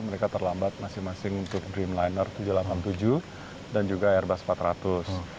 mereka terlambat masing masing untuk dreamliner tujuh ratus delapan puluh tujuh dan juga airbus empat ratus